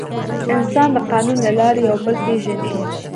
انسان د قانون له لارې یو بل پېژني.